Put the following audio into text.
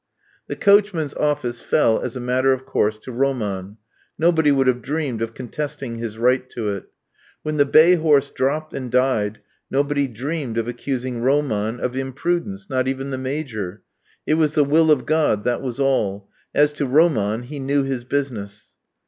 The coachman's office fell, as a matter of course, to Roman; nobody would have dreamed of contesting his right to it. When the bay horse dropped and died, nobody dreamed of accusing Roman of imprudence, not even the Major. It was the will of God, that was all; as to Roman, he knew his business.